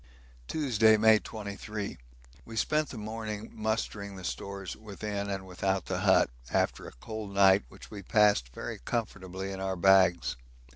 Tuesday, May 23. We spent the morning mustering the stores within and without the hut, after a cold night which we passed very comfortably in our bags.